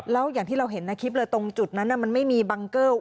แล้วอย่างที่เราเห็นในคลิปเลยตรงจุดนั้นมันไม่มีบังเกิล